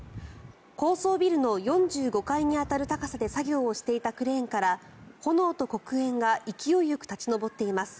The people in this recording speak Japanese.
高層ビルの４５階に当たる高さで作業をしていたクレーンから炎と黒煙が勢いよく立ち上っています。